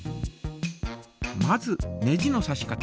まずネジのさし方。